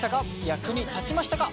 役に立ちましたか？